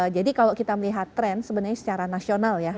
jadi kalau kita melihat tren sebenarnya secara nasional ya